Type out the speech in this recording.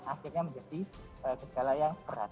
akhirnya menjadi gejala yang berat